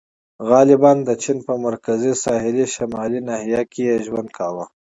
• غالباً د چین په مرکزي ساحلي شمالي ناحیه کې یې ژوند کاوه.